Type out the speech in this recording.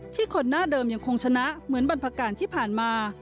คนหน้าเดิมยังคงชนะเหมือนบรรพการที่ผ่านมา